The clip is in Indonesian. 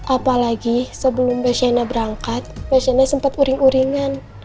apalagi sebelum mbak shaina berangkat mbak shaina sempat uring uringan